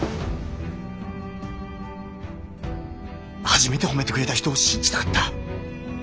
初めて褒めてくれた人を信じたかった。